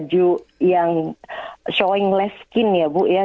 jadi itu kan baju yang showing less skin ya bu ya